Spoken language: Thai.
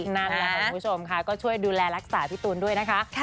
นั่นแหละคุณผู้ชมค่ะก็ช่วยดูแลรักษาพี่ตูนด้วยนะคะ